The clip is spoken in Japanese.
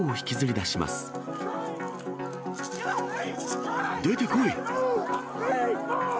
出てこい。